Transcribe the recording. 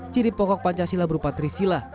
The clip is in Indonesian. ciri pokok pancasila berupa trisila